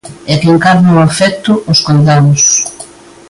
E que encarna o afecto, os coidados.